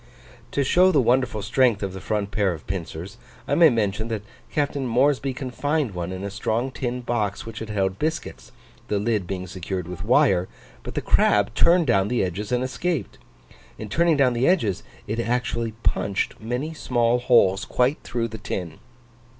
To show the wonderful strength of the front pair of pincers, I may mention, that Captain Moresby confined one in a strong tin box, which had held biscuits, the lid being secured with wire; but the crab turned down the edges and escaped. In turning down the edges, it actually punched many small holes quite through the tin!